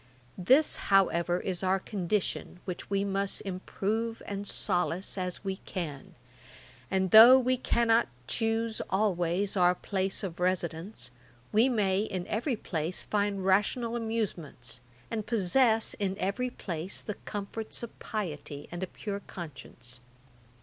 'This, however, is our condition, which we must improve and solace as we can: and though we cannot choose always our place of residence, we may in every place find rational amusements, and possess in every place the comforts of piety and a pure conscience.